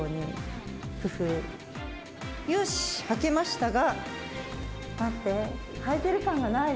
よし履けましたが。